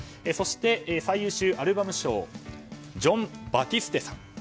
そして、最優秀アルバム賞ジョン・バティステさん。